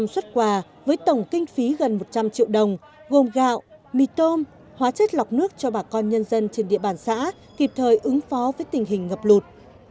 một trăm linh xuất quà với tổng kinh phí gần một trăm linh triệu đồng gồm gạo mì tôm hóa chất lọc nước cho bà con nhân dân trên địa bàn xã kịp thời ứng phó với tình hình ngập lụt